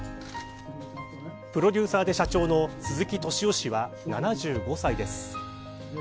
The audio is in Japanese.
プロデューサーで社長の鈴木敏夫氏は７５歳です。